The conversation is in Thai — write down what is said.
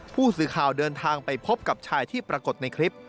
ผู้สื่อข่าวเดินทางไปพบกับชายที่ปรากฏในคลิป